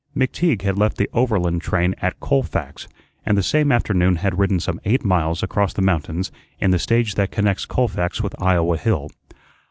McTeague had left the Overland train at Colfax, and the same afternoon had ridden some eight miles across the mountains in the stage that connects Colfax with Iowa Hill.